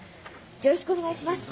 よろしくお願いします。